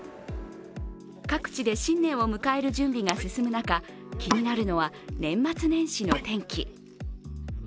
各地で新年を迎える準備が進む中、気になるのは年末年始の天気。